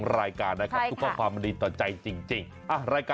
ลุกไปเลย